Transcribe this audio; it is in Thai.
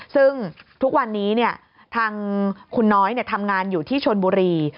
ซึ่งทุกวันนี้ทางคุณน้อยทำงานอยู่ที่ชนบุรี